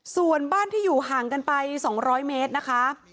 ส่วนบ้านที่อยู่ห่างกันไป๒๐๐เมตรนะคะ